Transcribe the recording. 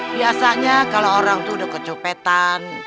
biasanya kalo orang tuh udah kecopetan